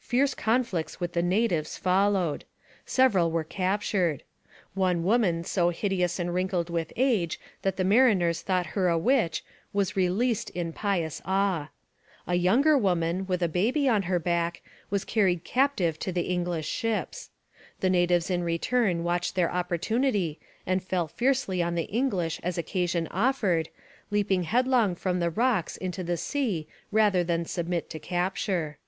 Fierce conflicts with the natives followed. Several were captured. One woman so hideous and wrinkled with age that the mariners thought her a witch was released in pious awe. A younger woman, with a baby at her back, was carried captive to the English ships. The natives in return watched their opportunity and fell fiercely on the English as occasion offered, leaping headlong from the rocks into the sea rather than submit to capture.